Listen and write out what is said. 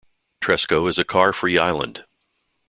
Tresco is a car-free island.